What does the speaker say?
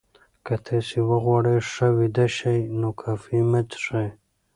که تاسي غواړئ ښه ویده شئ، نو کافي مه څښئ.